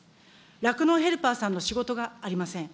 酪農ヘルパーさんの仕事がありません。